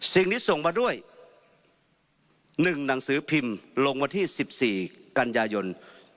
สิ่งนี้ส่งมาด้วย๑หนังสือพิมพ์ลงวันที่๑๔กันยายน